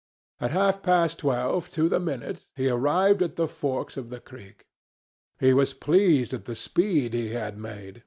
At half past twelve, to the minute, he arrived at the forks of the creek. He was pleased at the speed he had made.